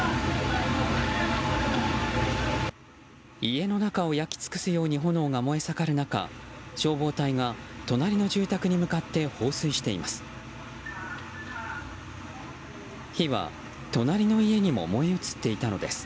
家の中を焼き尽くすように炎が燃え盛る中消防隊が、隣の住宅に向かって放水しています。